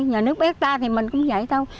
nhà nước bác ta thì mình cũng dạy thôi